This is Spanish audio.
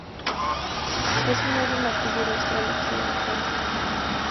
Es un árbol nativo de Australia Occidental.